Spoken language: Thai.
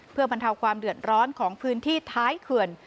เพื่อบรรเทาความเดือดร้อนของพื้นที่ท้ายเขื่อน